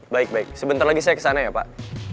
baik baik sebentar lagi saya kesana ya pak